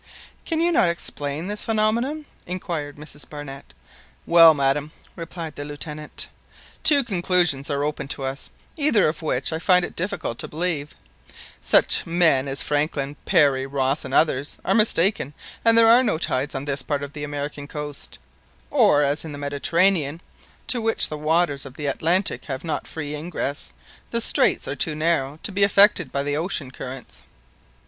"Can you not explain this phenomenon?" inquired Mrs Barnett. "Well, madam," replied the Lieutenant, "two conclusions are open to us, either of which I find it difficult to believe; such men as Franklin, Parry, Ross, and others, are mistaken, and there are no tides on this part of the American coast; or, as in the Mediterranean, to which the waters of the Atlantic have not free ingress, the straits are too narrow to be affected by the ocean currents."